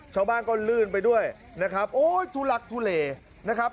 ชาวบ้านก็ลื่นไปด้วยนะครับโอ้ยทุลักทุเลนะครับ